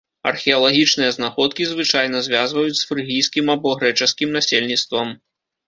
Археалагічныя знаходкі звычайна звязваюць з фрыгійскім або грэчаскім насельніцтвам.